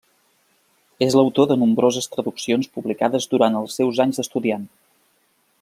És l'autor de nombroses traduccions publicades durant els seus anys d'estudiant.